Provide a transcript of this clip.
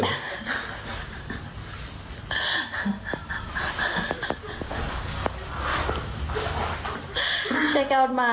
คุณผู้ชมค่ะคุณผู้ชมค่ะ